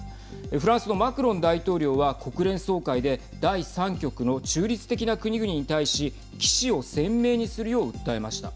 フランスのマクロン大統領は国連総会で第３極の中立的な国々に対しきしを鮮明にするよう訴えました。